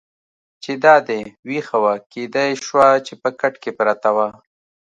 چې دا دې وېښه وه، کېدای شوه چې په کټ کې پرته وه.